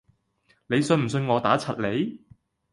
你信唔信我打柒你？